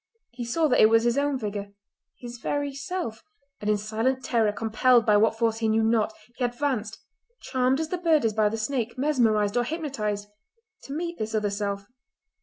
He saw that it was his own figure, his very self, and in silent terror, compelled by what force he knew not, he advanced—charmed as the bird is by the snake, mesmerised or hypnotised—to meet this other self.